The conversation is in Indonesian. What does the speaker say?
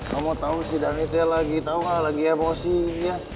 kamu tau si dany tuh lagi tau gak lagi emosi ya